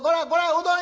うどん屋！